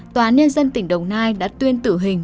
tòa án nhân dân tỉnh đồng nai đã tuyên tử hình